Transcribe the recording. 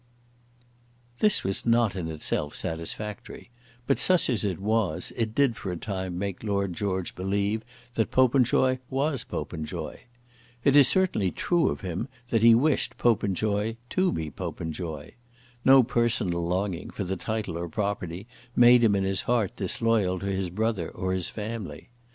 This was not in itself satisfactory; but such as it was, it did for a time make Lord George believe that Popenjoy was Popenjoy. It was certainly true of him that he wished Popenjoy to be Popenjoy. No personal longing for the title or property made him in his heart disloyal to his brother or his family.